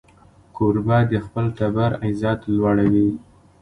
کوربه د خپل ټبر عزت لوړوي.